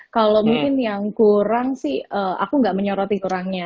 kalau mungkin yang kurang sih aku nggak menyoroti kurangnya